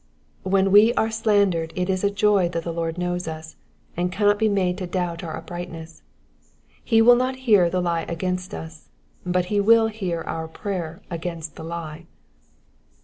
''^ When we are slan dered it is a joy that the Lord knows us, and cannot be made to doubt our uprightness : he will not hear the lie against us, but ho will hear our prayer against the lie.